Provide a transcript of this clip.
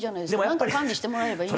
なんか管理してもらえばいい。